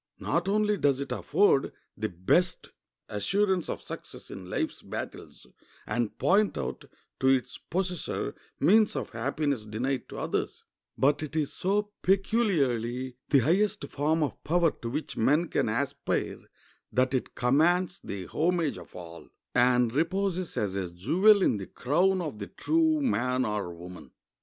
Not only does it afford the best assurance of success in life's battles and point out to its possessor means of happiness denied to others, but it is so peculiarly the highest form of power to which men can aspire that it commands the homage of all, and reposes as a jewel in the crown of the true man or woman.